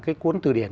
cái cuốn từ điển